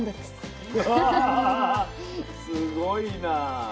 すごいなぁ。